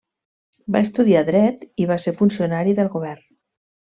Va estudiar dret i va ser funcionari del govern.